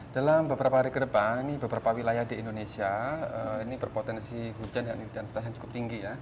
dalam beberapa hari ke depan beberapa wilayah di indonesia berpotensi hujan dan setahun cukup tinggi